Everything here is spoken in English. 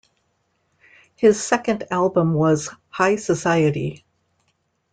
His second album was "High Society".